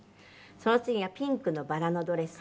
その次がピンクのバラのドレス。